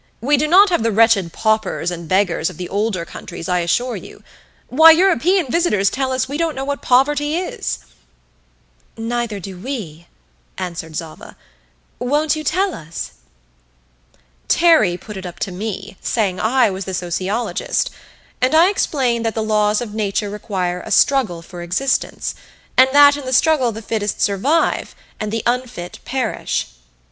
"We do not have the wretched paupers and beggars of the older countries, I assure you. Why, European visitors tell us, we don't know what poverty is." "Neither do we," answered Zava. "Won't you tell us?" Terry put it up to me, saying I was the sociologist, and I explained that the laws of nature require a struggle for existence, and that in the struggle the fittest survive, and the unfit perish.